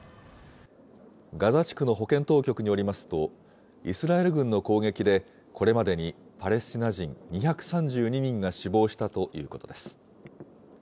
ガザ地区の保健当局によりますと、イスラエル軍の攻撃で、これまでにパレスチナ人２３２人が死亡したということです。